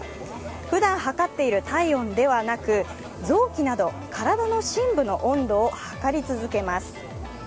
ふだんはかっている体温ではなく、臓器など体の深部の温度を測り続けます。